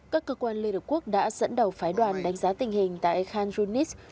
các cơ quan liên hợp quốc đã dẫn đầu phái đoàn đánh giá tình hình tại khan yunis